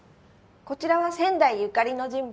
こちらは仙台縁の人物